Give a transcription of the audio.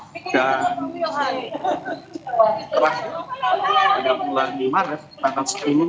dan setelah pada bulan maret tanggal sepuluh